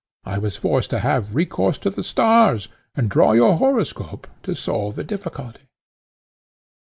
I was forced to have recourse to the stars, and draw your horoscope, to solve the difficulty."